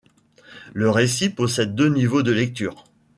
Le récit possède deux niveaux de lecture.